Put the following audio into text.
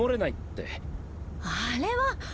あれは！